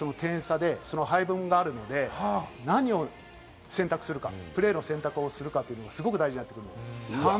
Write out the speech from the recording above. なので、時間帯と点差で配分があるので、何を選択するか、プレーの選択をするかというのが、すごく大事になってきます。